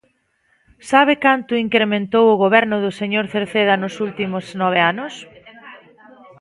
¿Sabe canto incrementou o Goberno do señor Cerceda nos últimos nove anos?